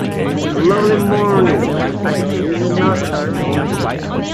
A lovely morning, is it not?